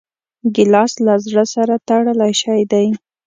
ګیلاس له زړه سره تړلی شی دی.